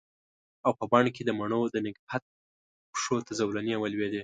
او په بڼ کې د مڼو د نګهت پښو ته زولنې ولویدې